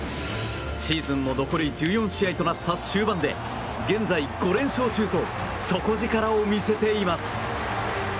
シーズンも残り１４試合となった終盤で現在、５連勝中と底力を見せています。